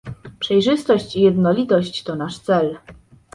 Przejrzystość i jednolitość to nasz cel